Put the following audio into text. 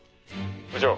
「部長」